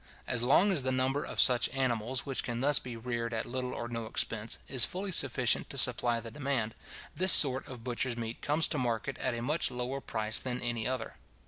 As long as the number of such animals, which can thus be reared at little or no expense, is fully sufficient to supply the demand, this sort of butcher's meat comes to market at a much lower price than any other.